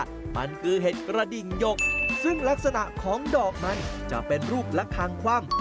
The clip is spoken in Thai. ว่ามันคือเห็ดกระดิ่งหยกซึ่งลักษณะของดอกนั้นจะเป็นรูปละคางคว่ำ